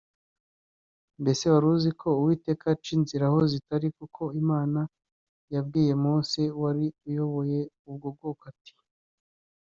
Mbese wari uziko uwiteka aca inzira aho zitari kuko Imana yabwiye Mose wari uyoboye ubwo bwoko ati